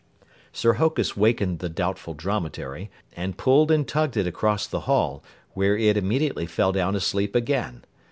Sir Hokus wakened the Doubtful Dromedary and pulled and tugged it across the hall, where it immediately fell down asleep again.